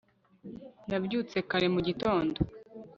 nabyutse kare mu gitondo